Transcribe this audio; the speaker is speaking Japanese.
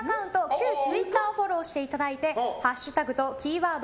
旧ツイッターをフォローしていただいてハッシュタグとキーワード